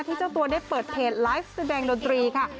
เจ้าตัวได้เปิดเพจไลฟ์แสดงดนตรีค่ะ